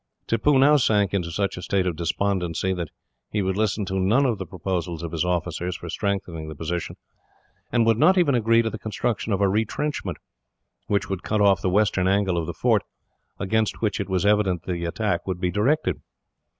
Tippoo now sank into such a state of despondency that he would listen to none of the proposals of his officers for strengthening the position, and would not even agree to the construction of a retrenchment, which would cut off the western angle of the fort, against which it was evident that the attack would be directed.